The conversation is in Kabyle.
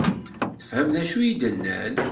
Tefhem d acu i d-nnan?